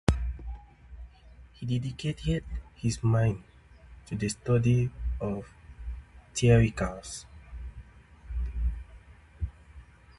He dedicated his mind to the study of theatricals.